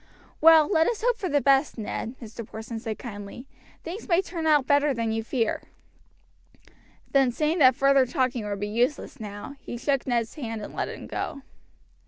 "Well, let us hope the best, Ned," Mr. Porson said kindly; "things may turn out better than you fear." Then seeing that further talking would be useless now, he shook Ned's hand and let him go.